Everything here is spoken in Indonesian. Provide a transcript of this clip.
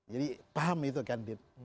jadi paham itu kan did